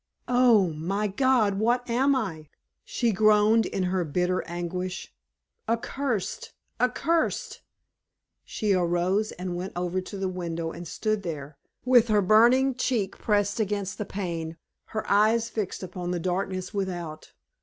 "Oh, my God! what am I?" she groaned, in her bitter anguish; "accursed! accursed!" She arose and went over to the window and stood there, with her burning cheek pressed against the pane, her eyes fixed upon the darkness without.